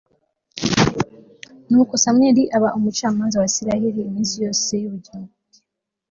nuko samweli aba umucamanza wa israheli, iminsi yose y'ubugingo bwe